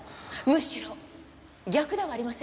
むしろ逆ではありませんか？